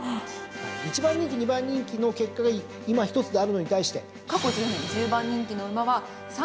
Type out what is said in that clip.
１番人気２番人気の結果がいまひとつであるのに対して。